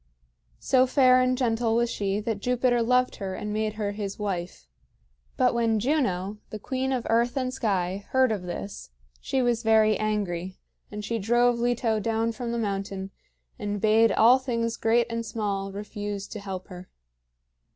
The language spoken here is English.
So fair and gentle was she that Jupiter loved her and made her his wife. But when Juno, the queen of earth and sky, heard of this, she was very angry; and she drove Leto down from the mountain and bade all things great and small refuse to help her.